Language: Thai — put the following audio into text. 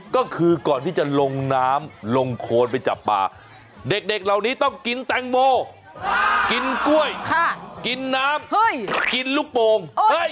ก็คือก่อนที่จะลงน้ำลงโคนไปจับปลาเด็กเหล่านี้ต้องกินแตงโมกินกล้วยกินน้ำกินลูกโป่ง